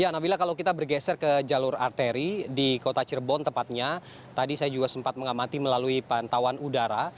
ya nabila kalau kita bergeser ke jalur arteri di kota cirebon tepatnya tadi saya juga sempat mengamati melalui pantauan udara